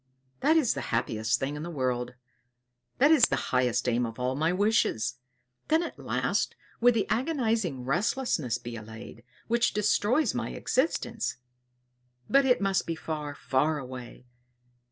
"That is the happiest thing in the world! That is the highest aim of all my wishes! Then at last would the agonizing restlessness be allayed, which destroys my existence! But it must be far, far away!